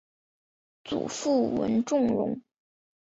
祖父文仲荣。